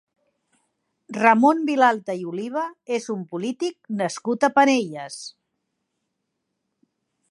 Ramon Vilalta i Oliva és un polític nascut a Penelles.